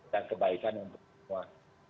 dan kebaikan untuk semua